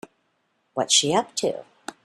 What's she up to?